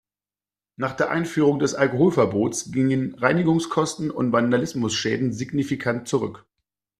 Nach der Einführung des Alkoholverbots gingen Reinigungskosten und Vandalismusschäden signifikant zurück.